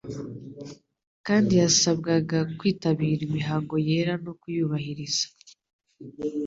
kandi yasabwaga kwitabira imihango yera no kuyubahiriza.